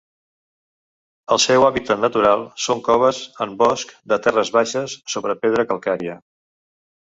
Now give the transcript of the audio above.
El seu hàbitat natural són coves en bosc de terres baixes sobre pedra calcària.